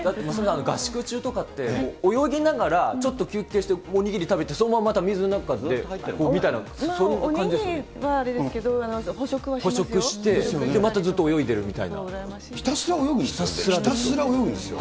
合宿中とかって、泳ぎながらちょっと休憩してお握り食べてそのまままた水の中でみお握りはあれですけど、それでまたずっと泳いでるみひたすら泳ぐんですよ。